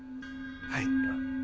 はい。